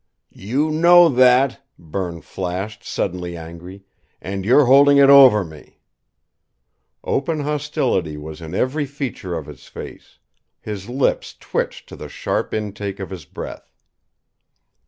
"You know that!" Berne flashed, suddenly angry. "And you're holding it over me!" Open hostility was in every feature of his face; his lips twitched to the sharp intake of his breath.